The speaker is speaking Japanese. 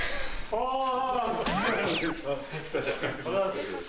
お久しぶりです。